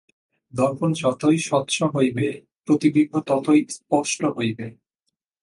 দর্পণ যতই স্বচ্ছ হইবে, প্রতিবিম্ব ততই স্পষ্ট হইবে।